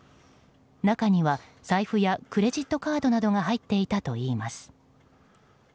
中には財布やクレジットカードなどが入っていたといいます。